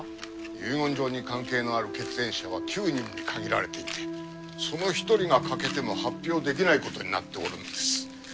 遺言状に関係のある血縁者は９人に限られていてその一人が欠けても発表できないことになっておるんです。